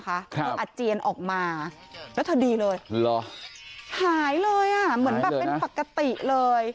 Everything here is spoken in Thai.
อาเจียนออกมาแล้วเธอดีเลยหายเลยอ่ะเหมือนแบบเป็นปกติเลย